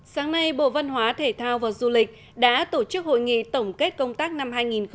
sáng nay bộ văn hóa thể thao và du lịch đã tổ chức hội nghị tổng kết công tác năm hai nghìn một mươi chín